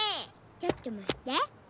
ちょっとまって！